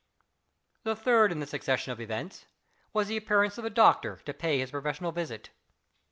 The third in the succession of events was the appearance of the doctor to pay his professional visit.